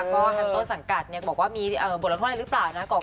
ก็ฮันเตอร์สังกัดเนี่ยบอกว่ามีเอ่อบทเรียนที่สำคัญหรือเปล่านะ